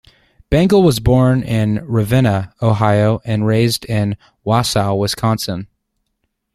Bangle was born in Ravenna, Ohio, and raised in Wausau, Wisconsin.